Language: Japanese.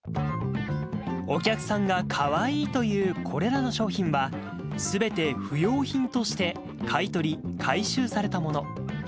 お客さんがかわいいと言うこれらの商品は、すべて不用品として、買い取り・回収されたもの。